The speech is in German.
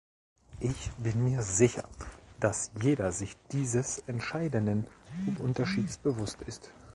Ich bin mir sicher, dass jeder sich dieses entscheidenden Unterschieds bewusst ist.